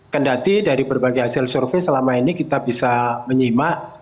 kendati dari berbagai hasil survei selama ini kita bisa menyimak